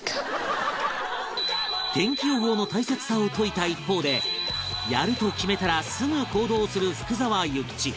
天気予報の大切さを説いた一方でやると決めたらすぐ行動する福沢諭吉